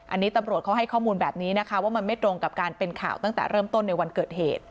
อันนี้ตำรวจเขาให้ข้อมูลแบบนี้นะคะว่ามันไม่ตรงกับการเป็นข่าวตั้งแต่เริ่มต้นในวันเกิดเหตุ